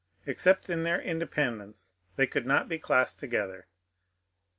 Except in their inde pendence they could not be classed together.